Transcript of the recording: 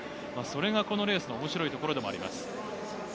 このレースの面白いところでもあります。